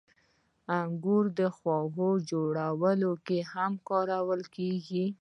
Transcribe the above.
• انګور د خوږو جوړولو کې هم کارول کېږي.